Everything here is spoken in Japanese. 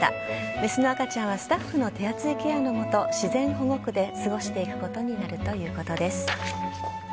雌の赤ちゃんはスタッフの手厚いケアの下、自然保護区で過ごしていくことになるということです。